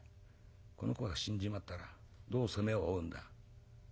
この子が死んじまったらどう責めを負うんだ。